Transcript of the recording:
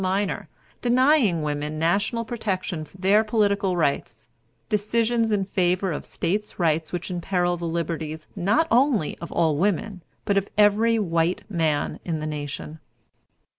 Minor, denying women national protection for their political rights; decisions in favor of State rights which imperil the liberties not only of all women, but of every white man in the nation.